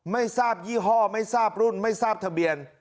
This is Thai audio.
ไม่ทราบยี่ห้อไม่ทราบรุ่นไม่ทราบทะเบียน